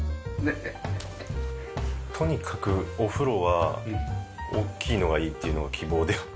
とにかくお風呂は大きいのがいいっていうのが希望であって。